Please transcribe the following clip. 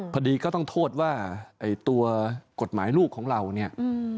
พอดีก็ต้องโทษว่าไอ้ตัวกฎหมายลูกของเราเนี่ย